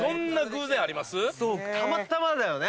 たまたまだよね。